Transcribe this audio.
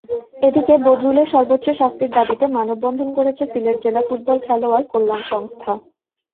এদিকে বদরুলের সর্বোচ্চ শাস্তির দাবিতে মানববন্ধন করেছে সিলেট জেলা ফুটবল খেলোয়াড় কল্যাণ সংস্থা।